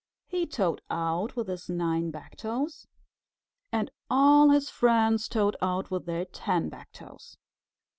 He toed out with his nine back toes, and all his friends toed out with their ten back toes.